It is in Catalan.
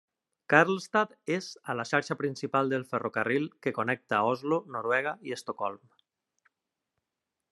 Karlstad és a la xarxa principal del ferrocarril que connecta Oslo, Noruega, i Estocolm.